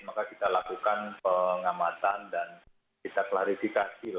maka kita lakukan pengamatan dan kita klarifikasi